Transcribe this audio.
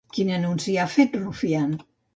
Quin anunci ha fet Rufián?